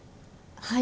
はい。